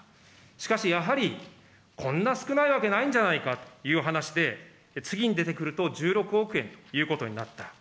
しかしやはりこんな少ないわけないんじゃないかという話で、次に出てくると、１６億円ということになった。